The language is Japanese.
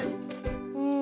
うん。